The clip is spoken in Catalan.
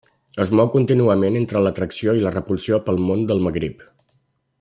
Es mou contínuament entre l'atracció i la repulsió pel món del Magrib.